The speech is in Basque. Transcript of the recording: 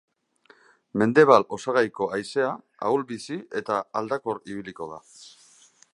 Mendebal-osagaiko haizea ahul-bizi eta aldakor ibiliko da.